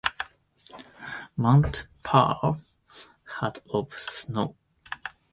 Mount Pearl had of snow.